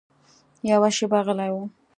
يوه شېبه غلی و.